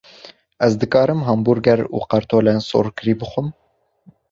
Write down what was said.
Ez dikarim hambûrger û kartolên sorkirî bixwim?